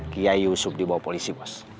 kiayi yusuf dibawa polisi bos